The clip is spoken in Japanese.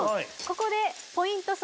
ここでポイント